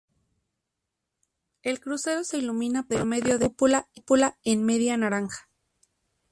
El crucero se ilumina por medio de una cúpula en media naranja.